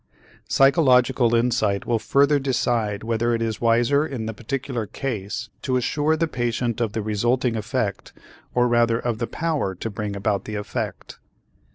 Psychological insight will further decide whether it is wiser in the particular case to assure the patient of the resulting effect or rather of the power to bring about the effect.